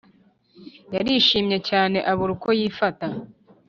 yarishimye cyane abura uko yifata